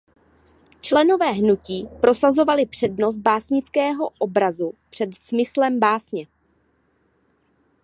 Členové hnutí prosazovali přednost básnického obrazu před smyslem básně.